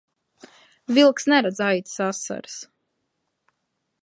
Vilks neredz aitas asaras.